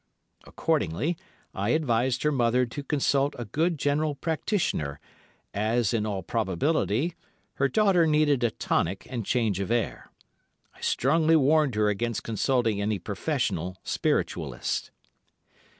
Accordingly, I advised her mother to consult a good general practitioner, as, in all probability, her daughter needed a tonic and change of air. I strongly warned her against consulting any professional Spiritualist.